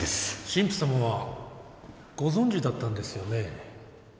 神父さまはご存じだったんですよね？